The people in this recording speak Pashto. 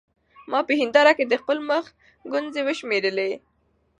ما په هېنداره کې د خپل مخ ګونځې وشمېرلې.